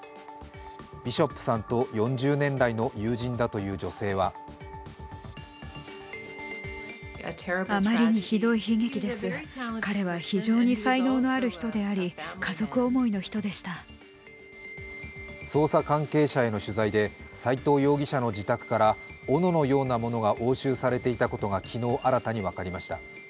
ビショップさんと４０年来の友人だという女性は捜査関係者への取材で斉藤容疑者の自宅からおののようなものが押収されていたことが昨日分かりました。